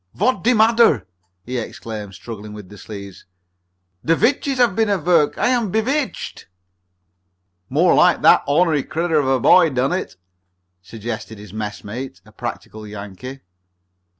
"Vot's der madder?" he exclaimed, struggling with the sleeves. "Der vitches haf been at vork! I am bevitched!" "More like that onery critter of a boy done it," suggested his messmate, a practical Yankee.